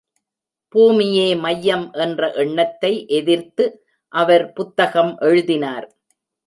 பூமியே மையம் என்ற எண்ணத்தை எதிர்த்து அவர் புத்தகம் எழுதினார்.